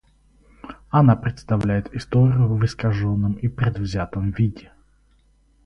Она представляет историю в искаженном и предвзятом виде.